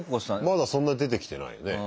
まだそんな出てきてないよね。